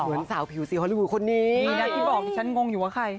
เหมือนสาวผิวซีฮาร์ลิเบอร์รี่คนนี้ดีนะพี่บอกฉันงงอยู่ว่าใคร